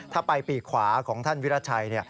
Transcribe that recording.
ถ้าไปปีกขวาของท่านวิราชัย